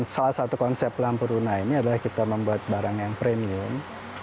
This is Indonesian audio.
salah satu konsep lampu runa ini adalah kita membuat barang yang premium